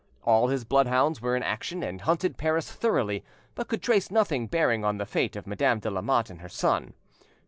All his bloodhounds were in action, and hunted Paris thoroughly, but could trace nothing bearing on the fate of Madame de Lamotte and her son.